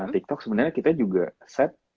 tiktok sebenarnya kita juga set